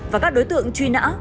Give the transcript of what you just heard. và các đối tượng truy nã